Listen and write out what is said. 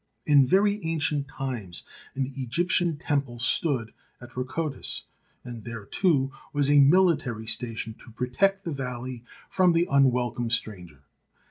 In very ancient times an Egyp tian temple stood at Rakotis, and there, too, was 169 170 THE SEVEN WONDERS a military station to protect the valley from the unwelcome stranger.